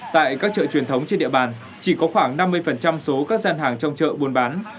tại các chợ truyền thống trên địa bàn chỉ có khoảng năm mươi số các gian hàng trong chợ buôn bán